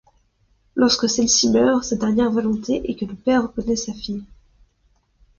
Lorsque celle-ci meurt, sa dernière volonté est que le père reconnaisse sa fille.